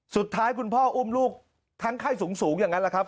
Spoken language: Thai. สุดท้ายคุณพ่ออุ้มลูกทั้งไข้สูงอย่างนั้นแหละครับ